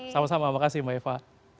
sama sama makasih mbak eva